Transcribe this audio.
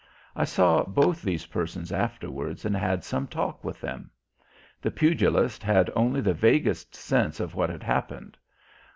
I saw both these persons afterwards and had some talk with them. The pugilist had only the vaguest sense of what had happened.